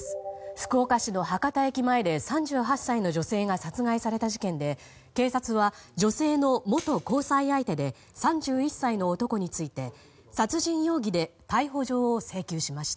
福岡市の博多駅前で３８歳の女性が殺害された事件で警察は女性の元交際相手で３１歳の男について殺人容疑で逮捕状を請求しました。